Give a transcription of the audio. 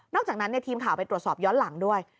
จากนั้นทีมข่าวไปตรวจสอบย้อนหลังด้วย